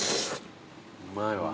うまいわ。